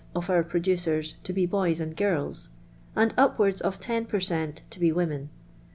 of our producers to be boys and girls, and upwards of 10 per cent, to be women.